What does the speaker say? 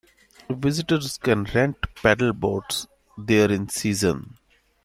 Visitors can rent pedal boats there in season.